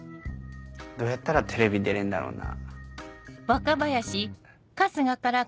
どうやったらテレビ出れんだろうな。